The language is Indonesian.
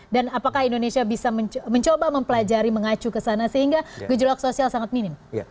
dan apakah indonesia bisa mencoba mempelajari mengacu ke sana sehingga gejolak sosial sangat minim